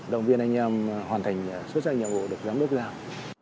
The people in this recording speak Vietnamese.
động viên anh em hoàn thành xuất sắc nhiệm vụ được giám đốc giao